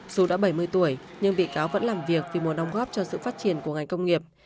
dù đã bảy mươi tuổi nhưng bị cáo vẫn làm việc vì muốn đóng góp cho sự phát triển của ngành công nghiệp